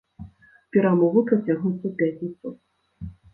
Перамовы працягнуцца ў пятніцу.